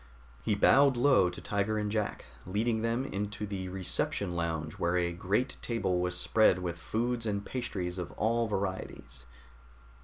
He bowed low to Tiger and Jack, leading them into the reception lounge where a great table was spread with foods and pastries of all varieties.